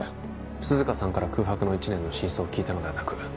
涼香さんから空白の一年の真相を聞いたのではなく